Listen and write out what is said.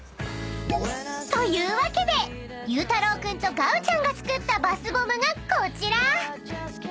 ［というわけでゆうたろう君とＧＯＷちゃんが作ったバスボムがこちら］